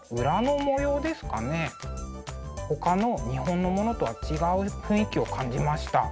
ほかの日本のものとは違う雰囲気を感じました。